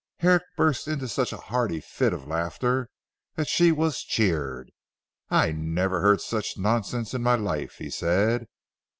Herrick burst into such a hearty fit of laughter that she was cheered. "I never heard such nonsense in my life!" he said.